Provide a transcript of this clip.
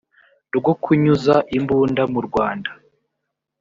rwo kunyuza imbunda mu rwanda